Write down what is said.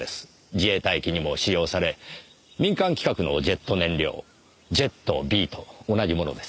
自衛隊機にも使用され民間規格のジェット燃料ＪＥＴ−Ｂと同じものです。